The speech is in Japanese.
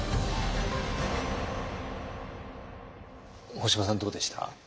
干場さんどうでした？